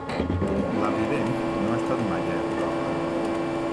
La vident no ha estat mai a Europa.